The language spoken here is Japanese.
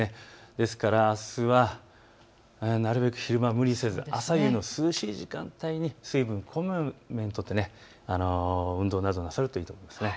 ですからあすはなるべく昼間は無理せず朝夕の涼しい時間帯に水分をこまめにとって運動などをなさるといいです。